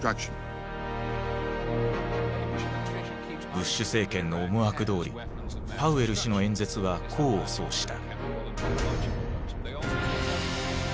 ブッシュ政権の思惑どおりパウエル氏の演説は功を奏した。